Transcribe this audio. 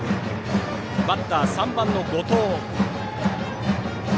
バッターは３番、後藤。